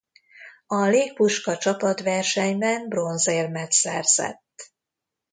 A légpuska csapatversenyben bronzérmet szerzett.